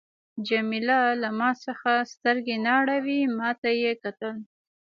جميله له ما څخه سترګې نه اړولې، ما ته یې کتل.